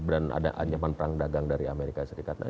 dan ada nyaman perang dagang dari amerika serikat